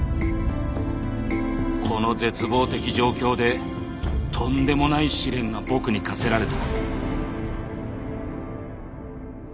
この絶望的状況でとんでもない試練が僕に課せられた。